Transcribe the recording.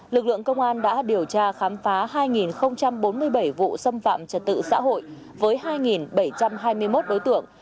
lực lượng công an đã điều tra khám phá hai bốn mươi bảy vụ xâm phạm trật tự xã hội với hai bảy trăm hai mươi một đối tượng